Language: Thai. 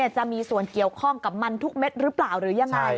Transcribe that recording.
จะมีส่วนเกี่ยวข้องกับมันทุกเม็ดหรือเปล่าหรือยังไง